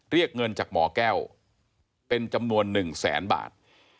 เรียกเงินจากหมอแก้วเป็นจำนวน๑แสนบาท